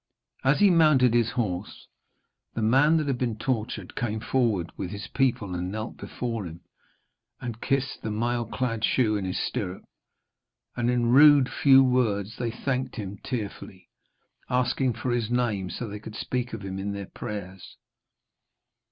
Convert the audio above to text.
As he mounted his horse, the man that had been tortured came forward with his people and knelt before him, and kissed the mail clad shoe in his stirrup, and in rude few words they thanked him tearfully, asking for his name, so that they could speak of him in their prayers.